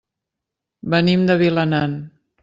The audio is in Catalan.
Venim de Vilanant.